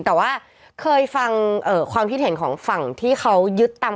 แต่ว่าเคยฟังความคิดเห็นของฝั่งที่เขายึดตาม